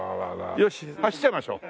よし走っちゃいましょう。